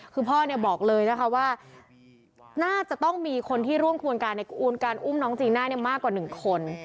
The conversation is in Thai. คือพ่อบอกเลยนะคะว่าน่าจะต้องมีคนที่ร่วมควรการในการอุ้มน้องจีน่ามากกว่า๑คน